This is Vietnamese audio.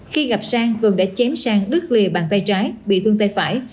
khi gặp sang vườn đã chém sang đứt lìa bàn tay trái bị thương tay phải